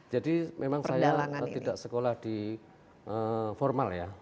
jadi memang saya tidak sekolah di formal ya